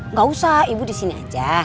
nggak usah ibu di sini aja